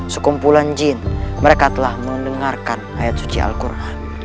sekumpulan jin mereka telah mendengarkan ayat suci al quran